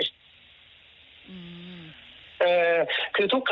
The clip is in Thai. มันมาจากคนอื่นหมดครับ